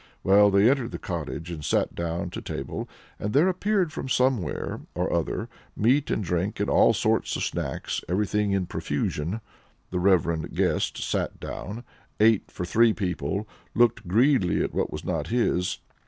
Well, they entered the cottage, and sat down to table and there appeared from somewhere or other meat and drink and all sorts of snacks, everything in profusion. The (reverend) guest sat down, ate for three people, looked greedily at what was not his.